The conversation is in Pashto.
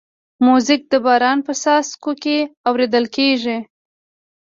موزیک د باران په څاڅو کې اورېدل کېږي.